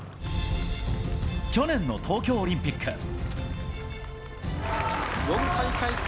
去年の東京オリンピック。